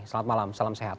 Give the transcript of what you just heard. selamat malam salam sehat